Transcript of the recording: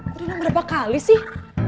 berdua berapa kali sih